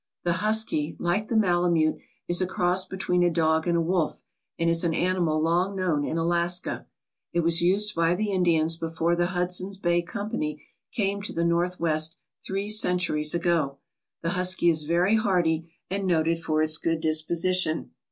The husky, like the malamute, is a cross between a dog and a wolf, and is an animal long known in Alaska. It was used by the Indians before the Hudson's Bay Company came to the Northwest three cen turies ago. The husky is very hardy and noted for its good disposition.